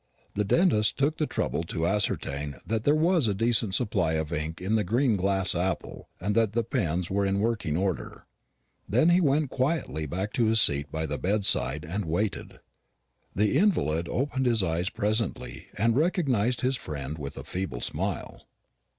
The dentist took the trouble to ascertain that there was a decent supply of ink in the green glass apple, and that the pens were in working order. Then he went quietly back to his seat by the bedside and waited. The invalid opened his eyes presently, and recognised his friend with a feeble smile.